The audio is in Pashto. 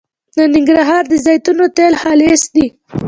د ننګرهار د زیتون تېل خالص دي